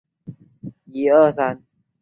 熊田圣亚是一位日本女童星。